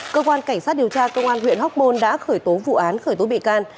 cơ quan cảnh sát điều tra công an huyện hóc môn đã khởi tố vụ án khởi tố bị can